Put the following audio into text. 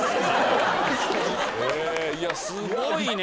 いやすごいね。